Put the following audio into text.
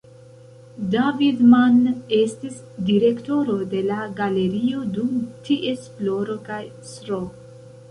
David Mann estis direktoro de la galerio dum ties floro kaj Sro.